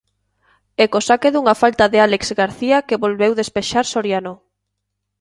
E co saque dunha falta de Álex García que volveu despexar Soriano.